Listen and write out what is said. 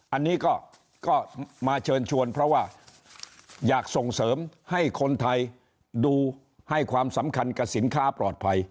อันนี้ก็มาเชิญชวนเพราะว่าอยากส่งเสริมให้คนไทยดูให้ความสำคัญกับสินค้าปลอดภัย